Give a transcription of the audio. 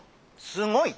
すごい！